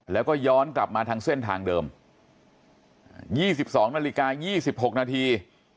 แล้วก็ย้อนกลับมาทางเส้นทางเดิม๒๒นาฬิกา๒๖นาที